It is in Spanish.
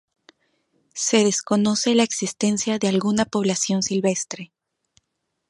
Se desconoce la existencia de alguna población silvestre.